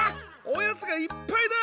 おやつがいっぱいだ！